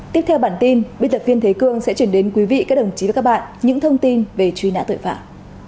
tiếp theo bản tin biên tập viên thế cương sẽ chuyển đến quý vị các đồng chí và các bạn những thông tin về truy nã tội phạm